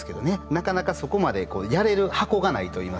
なかなかそこまでやれる箱がないといいますか。